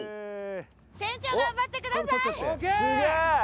船長頑張ってください。ＯＫ！